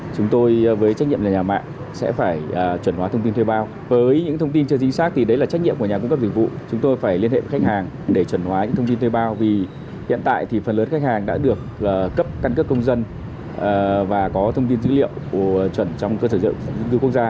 cơ sở dữ liệu quốc gia đã được cấp căn cấp công dân và có thông tin dữ liệu của trận trong cơ sở dữ quốc gia